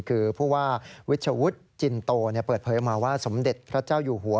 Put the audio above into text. คือผู้ว่าวิชวุฒิจินโตเปิดเผยออกมาว่าสมเด็จพระเจ้าอยู่หัว